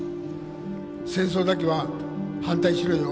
戦争だけは反対しろよ。